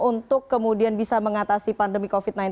untuk kemudian bisa mengatasi pandemi covid sembilan belas